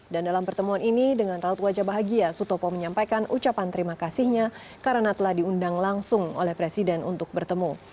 dan dalam pertemuan ini dengan raut wajah bahagia sutopo menyampaikan ucapan terima kasihnya karena telah diundang langsung oleh presiden untuk bertemu